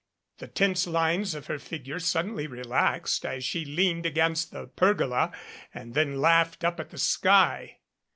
The tense lines of her figure suddenly relaxed as she leaned against the pergola and then laughed up at the sky.